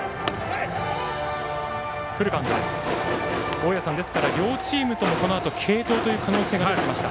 大矢さん、両チームともこのあと継投という可能性が出てきました。